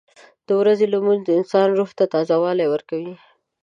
• د ورځې لمونځ د انسان روح ته تازهوالی ورکوي.